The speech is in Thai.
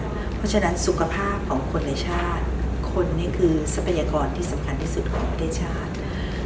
เพราะฉะนั้นสุขภาพของคนในชาติคนนี้คือทรัพยากรที่สำคัญที่สุดของประเทศชาติ